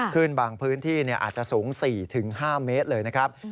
ขึ้นบางพื้นที่อาจจะสูง๔๕เมตรเลยนะครับ